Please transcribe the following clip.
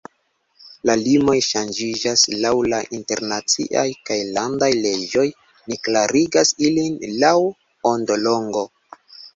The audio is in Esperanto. La limoj ŝanĝiĝas laŭ la internaciaj kaj landaj leĝoj, ni klarigas ilin laŭ ondolongo.